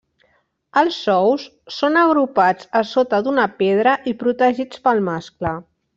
Els ous són agrupats a sota d'una pedra i protegits pel mascle.